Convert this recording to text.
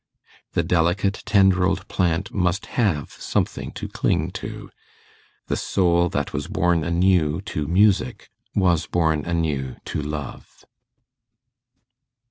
The delicate tendrilled plant must have something to cling to. The soul that was born anew to music was born anew to love.